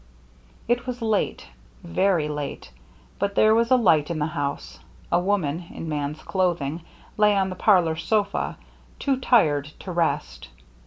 It was late, very late, but there was a light in the house. A woman, in man's clothing, lay on the parlor sofa, too tired to rest.